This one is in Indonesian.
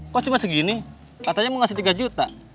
kok cuma segini katanya mau ngasih tiga juta